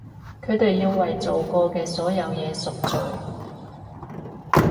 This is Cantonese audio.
佢哋要為做過嘅所有嘢贖罪！